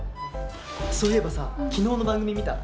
そういえばさ昨日の番組見た？